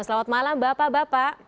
selamat malam bapak bapak